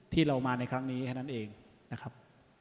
ที่เรามาในครั้งนี้แค่นั้นเองนะครับ